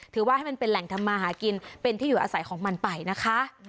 ให้มันเป็นแหล่งทำมาหากินเป็นที่อยู่อาศัยของมันไปนะคะ